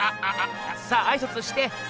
さああいさつして！